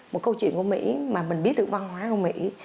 một câu chuyện của mỹ mà mình biết được văn hóa của mỹ